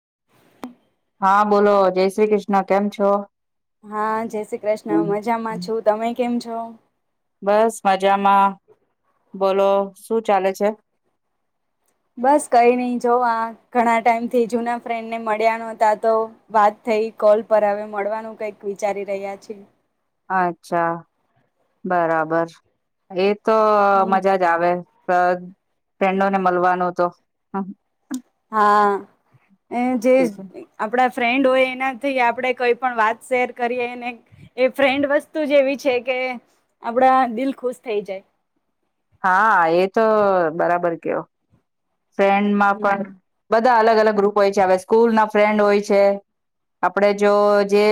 [inaudible] હા, બોલો જય શ્રી કૃષ્ન કેમ છો? હા, જય શ્રી કૃષ્ણ મજામાં છું તમે કેમજો? બસ મ જામા બોલો, શું ચાલે છે? બસ કઈ નહી જોવા ઘણા ટાઈમ થી જુના ફ્રેન્ડ ને મળ્યા ન હતા તો વાત થઈ કોલ પર હવે મળવાનું કઈક વિચારી રહ્યા છે. અચ્છા બરાબર એ તો હમ. મજા જ આવે. અ ફ્રેન્ડોને મળવાનું તો હા એ જે આપણા ફ્રેન્ડ હોય એનાથી આપણે કઈ પણ વાત શેર કરીએને એ ફ્રેન્ડ વસ્તુ જે એવી છે કે આપડા દિલ ખુશ થઈ જાય. હા, એ તો બરાબર કેયો. ફ્રેન્ડમાં હમ પણ બ બધા અલગ અલગ ગ્રુપ હોય છે હવે સ્કૂલ ના ફ્રેન્ડ હોય છે આપડે જો જે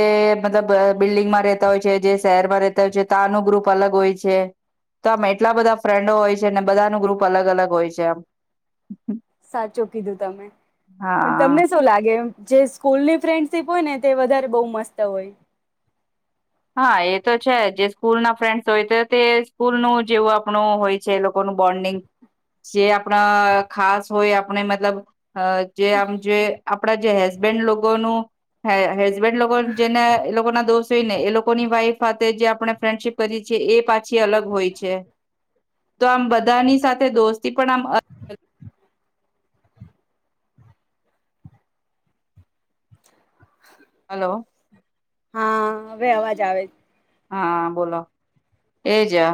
મતલબ બિલ્ડિંગમાં રેતા હોય છે જે શહેરમાં રેતા હોય છે તાનુ ગ્રુપ અલગ હોય છે તો આમ એટલા બધા ફ્રેન્ડો હોય છે બધા નુ ગ્રુપ અલગ અલગ હોય છે આમ. સાચું કીધું તમે પણ હા તમને શું લાગે એમ? જે સ્કૂલની ફ્રેન્ડશીપ હોય ને તે વધારે બવ મસ્ત હોય. હા એ તો છે જે સ્કૂલ ના ફ્રેન્ડ્સ હોય તો તે સ્કૂલનું જેવું આપણું હોય છે એ લોકોનું બોન્ડિંગ જે આપણા ખાસ હોય આપણે મતલબ અ જે આમ જે આપ આપણા જે હસબેન્ડ લોકોનું હે હેસબેન્ડ લોકો જેને એ લોકોના દોસ્ જોઈ ને એ લો -કોની વાઈફ સાથે જે આપણે ફ્રેન્ડશીપ કરીએ છીએ એ પાછી અલગ હોય છે તો આમ બધાની સાથે દોસ્તી પણ આમ અ હલો હા, હવે અવાજ આવે. હા, બોલો એજ અ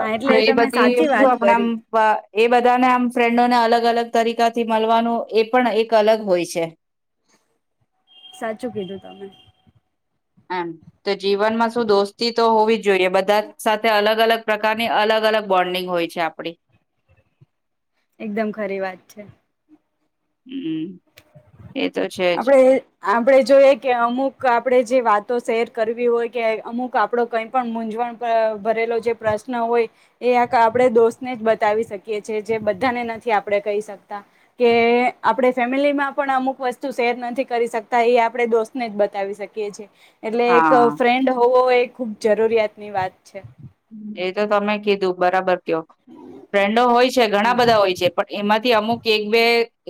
હા તો, એટલે એ તમે બધી સાચી શું વાત આપણામ કરી વા એ બધાને આમ ફ્રેન્ડોને અલગ અલગ તરીકાથી મળવાનું એ પણ એક અલગ હોય છે. સાચું કીધું તમે. હમ તો જીવનમાં શું દોસ્તી તો હોવી જ જોઈએ બધા સાથે અલગ અલગ પ્રકારની અલગ અલગ બોન્ડિંગ હોય છે. આપડી એકદમ ખરી વાત છે. હમ્મ, આપડે આપડે જોઈએ, કે અમુક આપડે જે વાતો શેર કરવી હોય કે, અમુક આપણો કઈ પણ મૂંઝવણ ભરેલો જે પ્રશ્ન હોય એ આપણે દોસ્તને જ બતાવી શકીએ છી. જે બધાને નથી આપણે કહી શકતા કે, આપણે ફેમલીમાં પણ અમુક વસ્તુ શેર નથી કરી શકતા એ આપડણે દોસ્તને જ બતાવી શકીએ છેએ. એટલે એક હા ફ્રેન્ડ હોવો એક ખુબ જરૂરિયાત ની વાત છે. એ તો તમે કીધું બરાબર. ફ્રેન્ડો હોય છે. ઘણા બધા હોય છે. પણ એમાંથી અમુક એક બે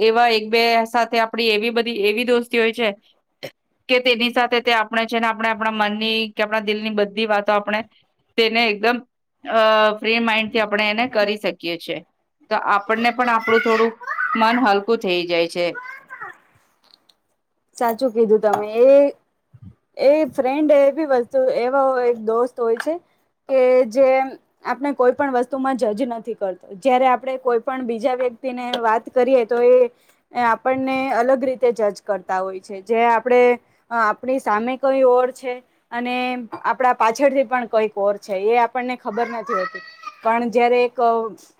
એવા એક બે સાથે આપડી એવી બધી એવી દોસ્તી હોય છે, કે તેની સાથે તે આપણે છે, ને આપણે આપણા મનની કે આપણા દિલની બધી વાતો આપણે તેને એકદમ અ ફ્રી માઇન્ડ થી આપણે એને કરી શકીએ છીએ. તો આપણને પણ આપણું થોડું મન હલકું થઈ જાય છે. સાચું કીધું તમે એ એ ફ્રેન્ડ એવી વસ્તુ એવા દોસ્ત હોય છે કે જે આપણે કોઈ પણ વસ્તુમાં જજ નથી કરતો જયારે આપણે કોઈ પણ બીજા વ્યક્તિને વાત કરીએ તો એ આપણને અલગ રીતે જ જ કરતા હોય. છે જે આપણે આપણી સામે કઈ ઓર છે અને આપણા પાછળથી પણ કઈક ઓર છે. એ આપણને ખબર નથી હોતી, પણ જયારે એક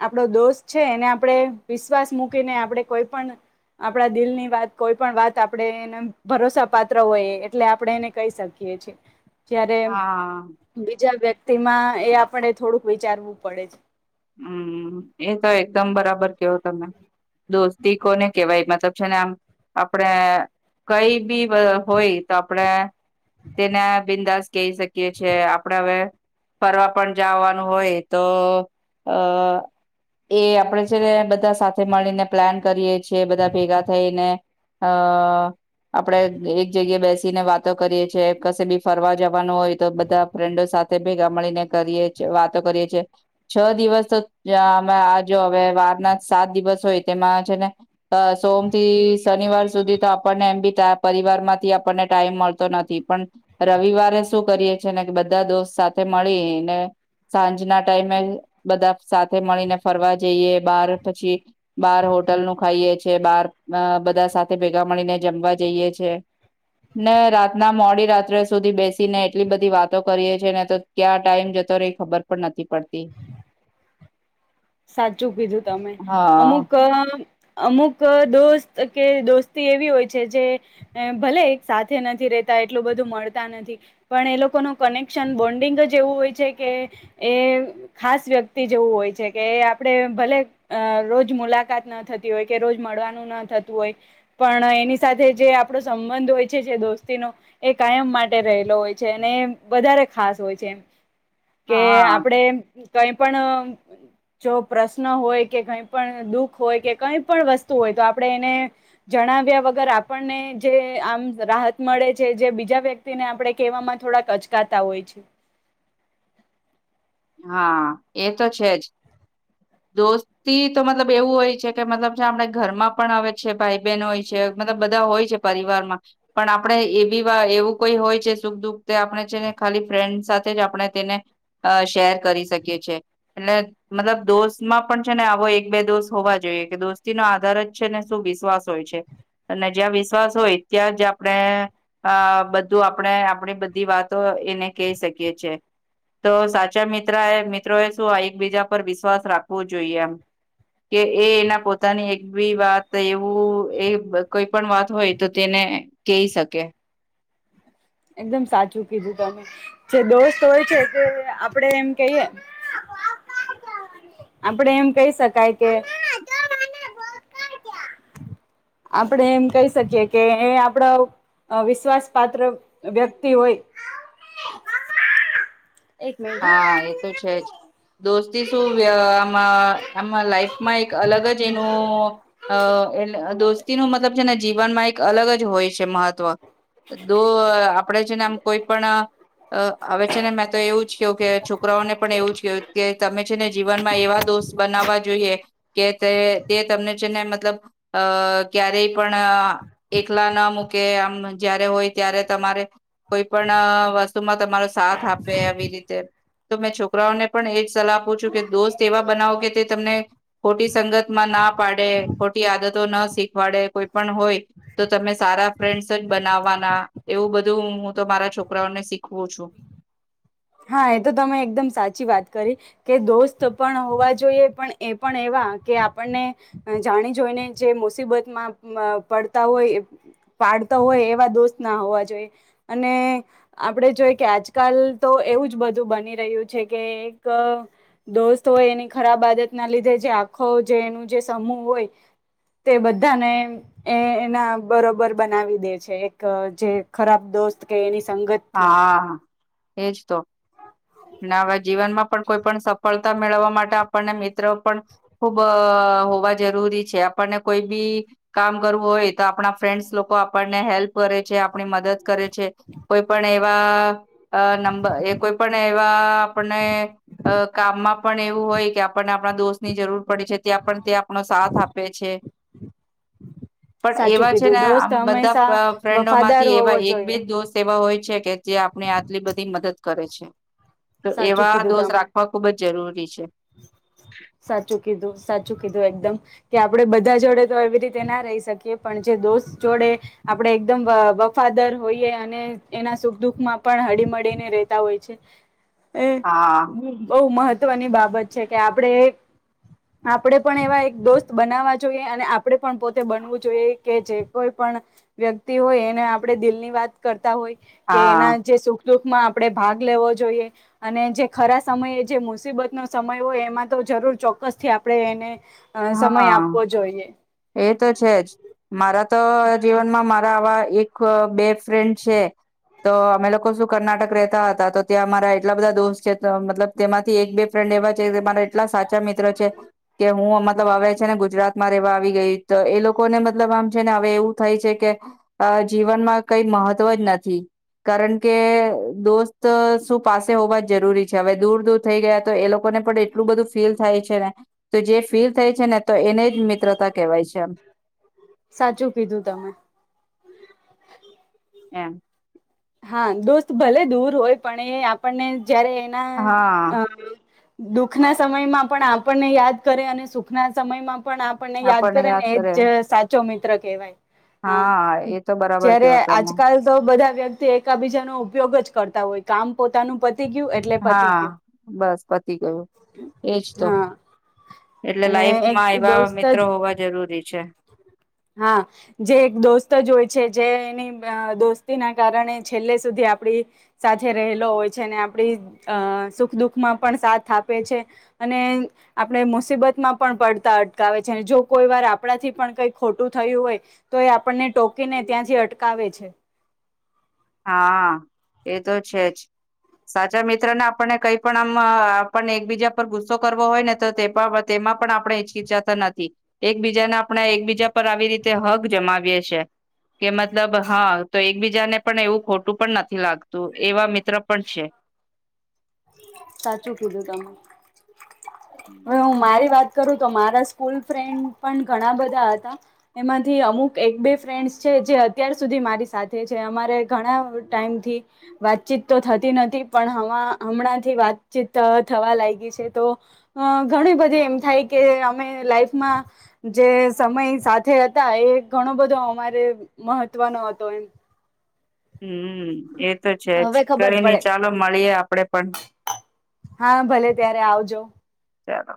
આપણો દોસ્ત છે. એને આપણે વિશ્વાસ મૂકીને આપણે કોઈ પણ આપણા દિલ ની વાત કોઈ પણ વાત તો આપણે એને ભરોસા પાત્ર હોઈ એટલે આપણે એને કહી શકીએ છીએ. જ્યારે હા બીજા વ્યક તીમાં તએ આપણે થોડુંક વિચારવું પડે છે. હમ્મ એ તો એકદમ બરાબર કેવો તમે. દોસ્તી કોને કેવાય મતલબ છે ને આમ આપડે કઈ બી અહ હોય તો આપડે તેના એ બિંદાસ કહી શકીયએ છે. આપડે હવે ફરવા પણ જવાનું હોય તો અહ એ આપડે છે ને બધા સાથે મળીને પ્લાન કરીએ છીએ બધા ભેગા થઈને અહ આપડે એક જગ્યાએ બેસીને વાતો કરીએ છીએ. કશે બી ફરવા જવાનું હોય, તો બધા ફ્રેન્ડો સાથે ભેગા મળીને કરીએ છે વાતો કરીએ છીએ. છ દિવસ તો અમે આ જો હવે વારના સાત દિવસ હોય તેમાં છે ને સોમ થી શનિવાર સુધી તો આપણને એમ બી પરિવાર માંથી આપણને ટાઈમ મળતો નથી પણ રવિવારે શું કરીએ છે ને બધા દોસ્ત સાથે મળી ને સાંજના ટાઈમે બધા સાથે મળીને ફરવા જઈએ બાર પછી બહાર હોટલ નું ખાઈએ છ છે. બાર અહ બધા સાથે ભેગા મળીને જમવા જઈએ છે. ને રાતના મોડી રાત્રે સુધી બેસીને એટલી બધી વાતો કરીએ છીએ ને તો ક્યાં ટાઈમ જતો રે એ ખબર પણ નથી પડતી. સાચું કીધું તમે. હા. અમુક અહ અમુક અહ દોસ્ત કે દોસ્તી એવી હોય છે જે ભલે એક સાથે નથી રેતા એટલું બધું મળતા નથી પણ એ લોકોનું કનેક્શન બોન્ડિંગ જ એવું હોય છે કે એ ખાસ વ્યક્તિ જેવું હોય છે. કે આપણે ભલે અહ રોજ મુલાકાત ન થતી હોય, કે રોજ મળવાનું ના થતું હોય, પણ એની સાથે જે આપણો સંબંધ હોય છે જે દોસ્તીનો એ કાયમ માટે રહેલો હોય છે. અને વધારે ખાસ હોય છે એમ. કે હા આપડે તો અહી પણ અમ્મ જો પ્રશ્ન હોય, કે કઈ પણ દુઃખ હોય કે કઈ પણ વસ્તુ હોય તો આપણે એને જણાવ્યા વગર આપણને જે આમ રાહત મળે છે. જે બીજા વ્યક્તિને આપણે કહેવામાં થોડાક અચકાતા હોય છે. હા એ તો છે જ. દોસ્તી તો મતલબ એવું હોય છે, કે મતલબ આપણે ઘરમાં પણ હવે છે ભાઈ બેન હોય છે. મતલબ બધા હોય જે પરવારમાં પણ આપણે એવી વા એવું કોઈ હોય છે સુખ દુખ આપણે છે. ને ખાલી ફ્રેન્ડ સાથે જ આપણે તેને અહ શેર કરી શકીએ છે. એટલે મતલબ દોસ્ત પણ છે ને આવો એક બે દોસ હોવા જોઈએ કે દોસ્તી નો આધાર જ છે ને શું વિશ્વાસ હોય છે અને જ્યાં વિશ્વાસ હોય ત્યાં જ આપણે આહ બધું આપણે આપણી બધી વાતો એને કહી શકીએ છે. તો સા ચે મિત્ર મિત્રો એ શું એકબીજા પર વિશ્વાસ રાખવો જોઈએ એમ. કે એ એના પોતાની એક બી વાત એવું એ કોઈ પણ વાત હોય તો તેને કહી શકે. એકદમ સાચું કીધું તમે. જે દોસ્ત હોય છે તે આપડે એમ કહીએ, આપડે એમ કહી શકાય કે આપણેે એમ કહી શકીએ કે એ આપણા અહ વિશ્વાસ પાાત્ર વ્યક્તિ હોય એક મિનિટ હા એ તો છે જ. દોસ્તી શું અહ આમાં આમાં લાઈફમાં એક અલગ જ એનું અહ એટલે દોસ્તીનું મતલબ છે ને જીવનમાં એક અલગ જ હોય છે મહત્વ. દો આહ આપડે છેને આમ કોઈ પણ અહ અવે છે ને મેં તો એવું છો કે છોકરાઓને પણ એવું જ કું કે તમે છેને જીવનમાં એવા દોસ્ત બનાવવા જોઈએ કે તે તમને છે ને મતલબ અહ ક્યારેય પણ આહ એકલા ન મૂકે આમ જયારે હોય ત્યારે તમારે કોઈ પણ આહ વસ્તુમાં તમારો સાથ આપે આવી રીત તે મેં છોકરાઓને પણ એ જ સલાહ આપું છું કે દોસ્ત એવા બનાવો કે તે તમને ખોટી સંગતમાં ના પાડે ખોટી આદતો ના શીખવાડે કોઈ પણ હોય તો તમે સારા ફ્રેન્ડસ જ બનાવવાના એવું બધું હું તો મારા છોકરાઓને શીખવું છું. હા એ તો તમે એકદમ સાચી વાત કરી કે દોસ્ત પણ હોવા જોઈએ પણ એ પણ એવા કે આપણને જાણી જોઈને જે મુસીબતમાં માં પડતા હોય પાડતા હોય એવા દોસ્ત ના હોવા જોઈએ અને આપણે જોઈ કે આજકાલ તો એવું જ બધું બની રહ્યું છે કે એક દોસ્ત હોય એની ખરાબ આદત ના લીધે જે આખો જે એનું જે સમૂહ હોય તે બધાને એ એ એના બરોબર બનાવી દે છે એક જે ખરાબ દોસ્ત કે એની સંગત થી. હા એજ તો. ના હવે જીવનમાં પણ કોઈ પણ સફળ તા મેળવવા માટે આપણને મિત્ર પણ ખૂબ અહ હોવા જરૂરી છે આપણને કોઈ બી કામ કરવું હોય તો આપણા ફ્રેન્ડસ લોકો આપણને હેલ્પ કરે છે આપણી મદદ કરે છે કોઈ પણ એવા નંબર એ કોઈ પણ એવા આપણને કામમાં પણ એવું હોય કે આપણને આપણા દોસ્ત ની જરૂર પડી છે ત્યાં પણ તે આપણો સાથ આપે છે પણ સાચું એવા છે કીધું ને દોસ્ત આમ હંમેશા બધા ફ્રેન્ડો વફાદાર માંથી એવા હોવો એક જોઈએ બેજ દોસ્ત હોય છે કે જે આપણે આટલી બધી મદદ કરે છે તો સાચું એવા કીધું દોસ્ત તમે રાખવા ખુબ જ જરૂરી છે સાચું કીધું સાચું કીધું એકદમ કે આપણે બધા જોડે તો એવી રીતે ના રહી શકીએ પણ જે દોસ્ત જોડે આપણેે એકદમ વફાદાર હોઈએ અને એના સુખ દુઃખમાં પણ હળીમળીને રહેતા હોય છે એ હા બહુ મહ ત્વ ની બાબત છે કે આપણે આપણેે પણ એવા એક દોસ્ત બનાવા જોઈએ અને આપણે પણ પોતે બનવું જોઈએ કે જે કોઈ પણ વ્યક્તિ હોય એને આપણે દિલ ની વાત કર તા હોય કે એના હા જે સુખ દુઃખમાં આપડે ભાગ લેવો જોઈએ અને જે ખરા સમયે જે મુસીબત નો સમય હોય એમાં તો જરૂર ચોક્કસથી આપણે એને હવે સમય હા. આપવો જોઈએ એ તો છે જ મારા તો જીવનમાં મા ત આવા એક બે ફ્રેન્ડ છે તો અમે લોકો શું કર્ણાટક રહેતા હતા તો ત્યાં મારા એટલા બધા દોસ્ત છે મતલબ તેમાંથી એક બે ફ્રેન્ડ એવા છે જે મારાં એટલા સાચા મિત્ર છે કે હું મ તો હવે છે ને ગુજરાતમાં રહેવા આવી એ લોકોને મતલબ આમ છે ને હવે એવું થાય છે કે જીવનમાં કઈ મહત્વ જ નથી કારણ કે દોસ્ત શું પાસે હોવા જ જરૂરી છે હવે દૂર દૂર થઈ ગયા તો એ લોકોને પણ એટલું બધું ફીલ થાય છે ને તો જે ફીલ થાય છે ને તો એને જ મિત્રતા કહેવાય છે એમ સાચું કીધું તમે એમ હા દોસ્ત ભલે દૂર હોય પણ એ આપણને જયારે એના હા અ દુઃખના સમયમાં પણ આપણને યાદ કરે અને સુખના સમયમાં પણ આપણને યાદ કરે ને એજ સાચો મિ મિત્ર કહેવાય હા એ તો બરાબર જયારે કેવો તમે આજકાલ તો બધા વ્ય બીજા નો ઉપયોગ જ કરતા હોય કામ પોતાનું ગયું એટલે પતી હા ગયું બસ પતી ગયું એજ તો હા એટલે અને લાઈફમાં એક એવા દોસ્ત જ મિત્રો હોવા જરૂરી છે હા જે એક દોસ્ત જ હોય છે જે એની દોસ્તીના કારણે છેલ્લે સુધી આપડી સાથે રહેલો હોય છે અને આપડી અ સુખ દુઃખમાં પણ સાથ આપે છે અને આપણે મુસીબતમાં પણ પડતા અટકાવે છે જો કોઈ વાર આપણાથી પણ કઈક ખોટું થયું હોય તો એ આપણને ટોકીને ત્યાંથી અટકાવે છે હા એ તો છે જ સાચા મિત્ર ને આપણને કઈ પણ આમ આપને એકબીજા પર ગુસ્સો કરવો હોય ને તો તેમાં પણ આપણે હિચિહી ચકાતા નથી એકબીજાને આપણે એકબીજા પર આવી રીતે હક જમાવીએ છેએ કે મતલબ હા તો એક એકબીજા ને પણ એવું ખોટું પણ નથી લાગતું એવા મિત્ર પણ છે સાચું કીધું તમે હવે હું મારી વાત કરું તો મારા સ્કૂલ ફ્રેન્ડ પણ ઘણા બધા હતા એમાંથી અમુક એક બે ફ્રેન્ડ્સ છે જે અત્યાર સુધી મારી સાથે છે અમારે ઘણા ટાઈમથી વાતચીત તો થતી નથી પણ હમણાંથી વાતચીત થવા લાગી છે તો ઘણી બધી એમ થાય કે અમે લાઈફમાં જે સમય સાથે હતા એ ઘણો બધો અમારે મહત્વનો હતો એમ હમ એતો છે જ હવે કઈ ખબર નહી પડે ચાલો મળીએ આપ આપડે પણ હા ભલે ત્યારે આવજો ચાલો.